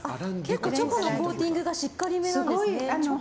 チョコのコーティングがしっかり目なんですね。